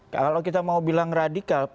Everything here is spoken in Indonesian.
kalau kita mau bilang radikal